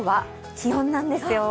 気温なんですよ。